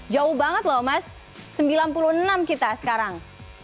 jauh banget loh mas sembilan puluh enam kita sekarang